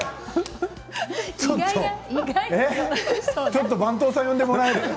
ちょっと番頭さん呼んでもらえる？